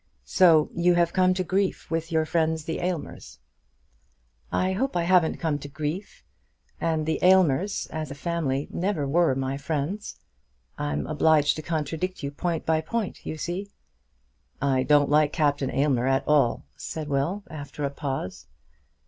So you have come to grief with your friends, the Aylmers?" "I hope I haven't come to grief, and the Aylmers, as a family, never were my friends. I'm obliged to contradict you, point by point, you see." "I don't like Captain Aylmer at all," said Will, after a pause.